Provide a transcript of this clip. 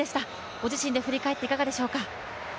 ご自身で振り返って、いかがでしょうか。